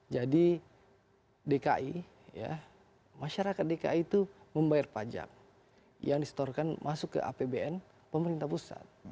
jadi dki masyarakat dki itu membayar pajak yang disetorkan masuk ke apbn pemerintah pusat